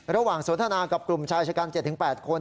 สนทนากับกลุ่มชายชะกัน๗๘คน